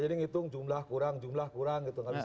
jadi ngitung jumlah kurang jumlah kurang